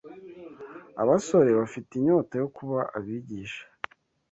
Abasore bafite inyota yo kuba abigisha